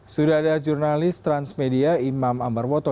sudara jurnalis transmedia imam ambarwoto